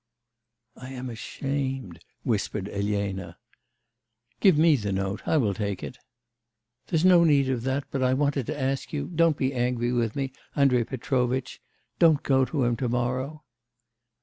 'I am ashamed,' whispered Elena. 'Give me the note, I will take it.' 'There's no need of that, but I wanted to ask you don't be angry with me, Andrei Petrovitch don't go to him to morrow!